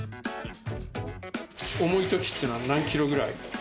重いときってのは何キロぐらい？